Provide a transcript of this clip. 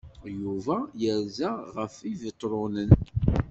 Yuba yerza ɣef Ibetṛunen.